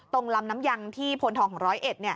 ลำน้ำยังที่พลทองของร้อยเอ็ด